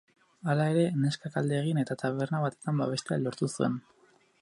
Hala ere, neskak alde egin eta taberna batean babestea lortu zuen.